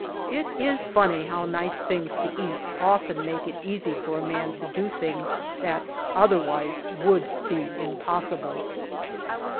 It is funny how nice things to eat often make it easy for a man to do things that otherwise would be impossible!